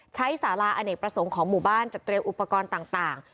สาราอเนกประสงค์ของหมู่บ้านจัดเตรียมอุปกรณ์ต่าง